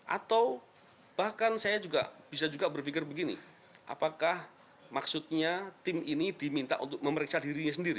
atau bahkan saya juga bisa juga berpikir begini apakah maksudnya tim ini diminta untuk memeriksa dirinya sendiri